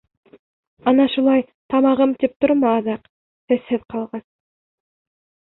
Ана шулай «тамағым» тип торма аҙаҡ, сәсһеҙ ҡалғас...